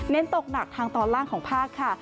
ตกหนักทางตอนล่างของภาคค่ะ